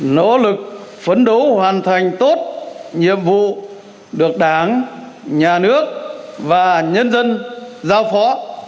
nỗ lực phấn đấu hoàn thành tốt nhiệm vụ được đảng nhà nước và nhân dân giao phó